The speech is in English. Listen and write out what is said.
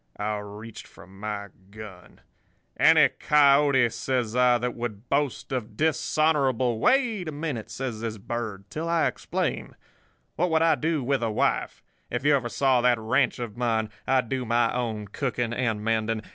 "I reached for my gun. "'Any coyote,' says I, 'that would boast of dishonourable—' "'Wait a minute,' says this Bird, 'till I explain. What would I do with a wife? If you ever saw that ranch of mine! I do my own cooking and mending.